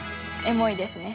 エモいですね。